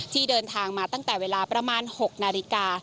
ที่เดินทางมาตั้งแต่เวลาประมาณ๖นาฬิกา